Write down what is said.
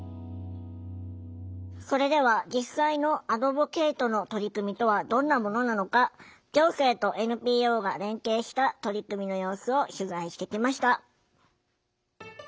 それでは実際のアドボケイトの取り組みとはどんなものなのか行政とＮＰＯが連携した取り組みの様子を取材してきました。